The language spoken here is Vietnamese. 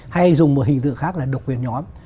hay dùng một hình tượng khác là độc quyền nhóm